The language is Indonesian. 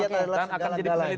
dan akan jadi politik